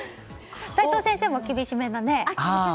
齋藤先生も厳しめな。